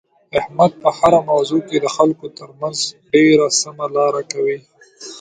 احمد په هره موضوع کې د خلکو ترمنځ ډېره سمه لاره کوي.